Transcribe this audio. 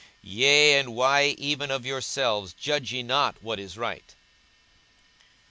42:012:057 Yea, and why even of yourselves judge ye not what is right?